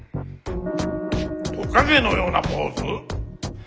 トカゲのようなポーズ？